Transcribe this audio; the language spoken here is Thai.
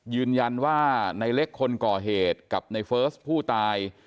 ยืนยันว่าในเล็กคนก่อเหตุกับในเฟิร์สผู้ตาย